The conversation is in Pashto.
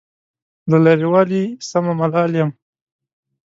له لرې والي سمه ملال یم.